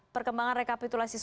perkembangan rekapitulasi sidalih